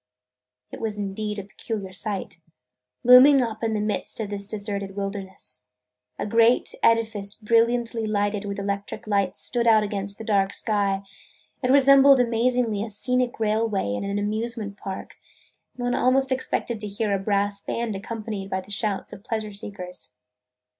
It was indeed a peculiar sight, looming up in the midst of this deserted wilderness. A great edifice brilliantly lighted with electric lights stood out against the dark sky. It resembled amazingly a scenic railway in an amusement park, and one almost expected to hear a brass band accompanied by the shouts of pleasure seekers.